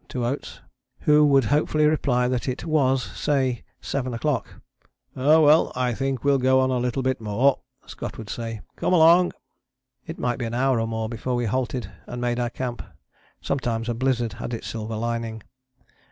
to Oates, who would hopefully reply that it was, say, seven o'clock. "Oh, well, I think we'll go on a little bit more," Scott would say. "Come along!" It might be an hour or more before we halted and made our camp: sometimes a blizzard had its silver lining.